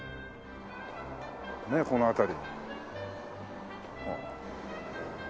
ねえこの辺り。